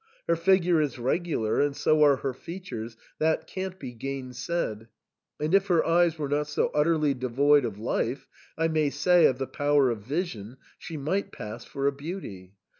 Her figure is reg ular, and so are her features, that can't be gainsaid ; and if her eyes were not so utterly devoid of life, I may say, of the power of vision, she might pass for a beauty.